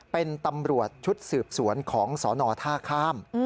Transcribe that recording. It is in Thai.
เป็นตำรวจชุดสืบสวนของสนท่าข้าม